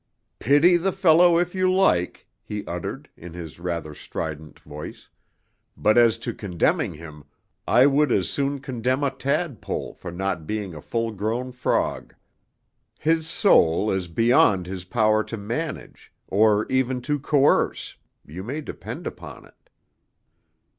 "Pity the fellow, if you like," he uttered, in his rather strident voice; "but as to condemning him, I would as soon condemn a tadpole for not being a full grown frog. His soul is beyond his power to manage, or even to coerce, you may depend upon it."